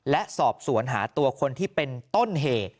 และสอบสวนหาตัวคนที่เป็นต้นเหตุ